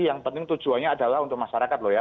yang penting tujuannya adalah untuk masyarakat loh ya